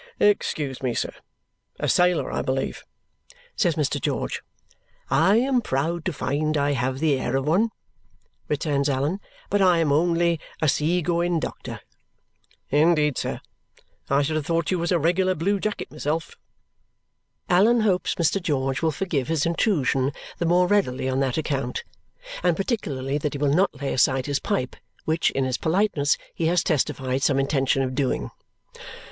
"Excuse me, sir. A sailor, I believe?" says Mr. George. "I am proud to find I have the air of one," returns Allan; "but I am only a sea going doctor." "Indeed, sir! I should have thought you was a regular blue jacket myself." Allan hopes Mr. George will forgive his intrusion the more readily on that account, and particularly that he will not lay aside his pipe, which, in his politeness, he has testified some intention of doing.